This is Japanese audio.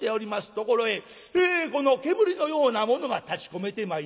ところへこの煙のようなものが立ちこめてまいりまして